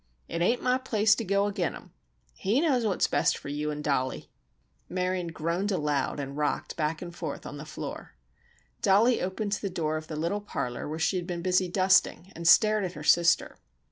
"It ain't my place to go ag'in him. He knows what's best fer yew an' Dollie!" Marion groaned aloud and rocked back and forth on the floor. Dollie opened the door of the little parlor where she had been busy dusting and stared at her sister.